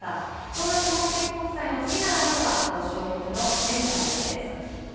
そんな下関国際の次なる相手は、仙台育英です。